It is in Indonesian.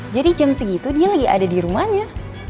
jadi jam segitu dia lagi ada di rumahnya